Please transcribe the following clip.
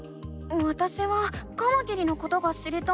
わたしはカマキリのことが知りたいの。